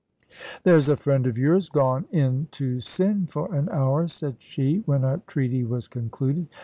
"There's a friend of yours gone in to sin for an hour," said she, when a treaty was concluded.